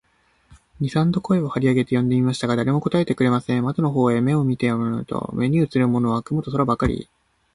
二三度声を張り上げて呼んでみましたが、誰も答えてくれません。窓の方へ目をやって見ると、目にうつるものは雲と空ばかり、